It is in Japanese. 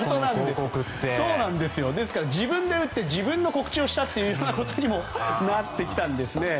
ですから自分で打って自分の告知をしたことにもなったんですね。